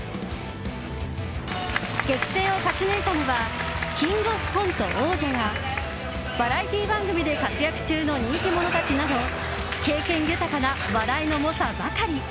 激戦を勝ち抜いたのは「キングオブコント」王者やバラエティー番組で活躍中の人気者たちなど経験豊かな笑いの猛者ばかり。